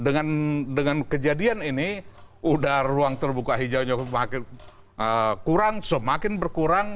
dengan kejadian ini udah ruang terbuka hijaunya semakin kurang semakin berkurang